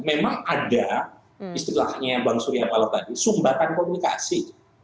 memang ada istilahnya bang surya paloh tadi sumbatan komunikasi